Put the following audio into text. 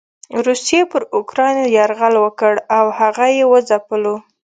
روسيې پر اوکراين يرغل وکړ او هغه یې وځپلو.